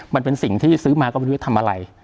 มันเป็นสิ่งที่ซื้อมาก็ไม่รู้จะทำอะไร